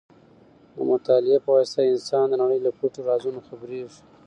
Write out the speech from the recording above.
د مطالعې په واسطه انسان د نړۍ له پټو رازونو خبرېږي.